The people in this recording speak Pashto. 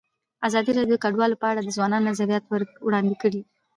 ازادي راډیو د کډوال په اړه د ځوانانو نظریات وړاندې کړي.